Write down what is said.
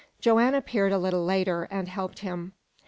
Joanne reappeared a little later, and helped him.